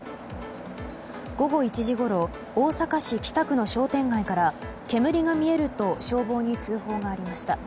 午後１時ごろ大阪市北区の商店街から煙が見えると消防に通報がありました。